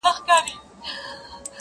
زندان به نه وي بندیوان به نه وي،